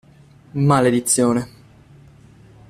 Maledizione!